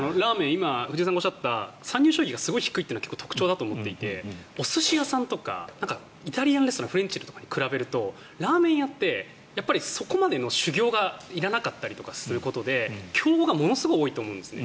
今藤井さんがおっしゃった参入資本が少ないというのがポイントだと思っていてお寿司屋さんとかイタリアンレストランフレンチとかに比べるとラーメン屋ってそこまでの修業がいらなかったりすることで競合がすごい多いと思うんですね。